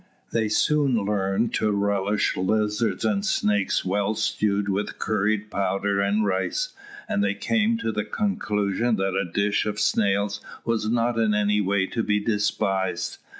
They soon learned to relish lizards and snakes well stewed with curry powder and rice; and they came to the conclusion that a dish of snails was not in any way to be despised.